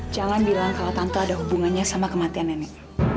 jangan bilang kalau tante ada hubungannya sama kematian nenek